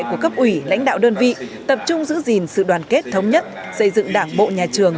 của cấp ủy lãnh đạo đơn vị tập trung giữ gìn sự đoàn kết thống nhất xây dựng đảng bộ nhà trường